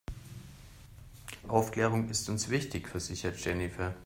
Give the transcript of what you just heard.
Aufklärung ist uns wichtig, versichert Jennifer.